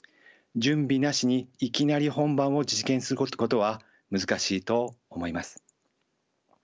準備なしにいきなり本番を実現することは難しいと思います。